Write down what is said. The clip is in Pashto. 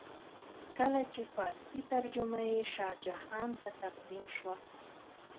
کله چې فارسي ترجمه یې شاه جهان ته تقدیم شوه.